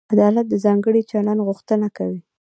عدالت د ځانګړي چلند غوښتنه کوي.